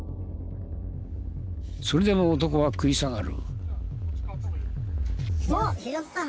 それでも男は食い下がる。